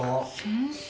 先生。